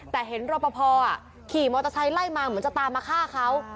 แต่เห็นรอปภขี่มอเตอร์ไซค์ไล่มาเหมือนจะตามมาฆ่าเขา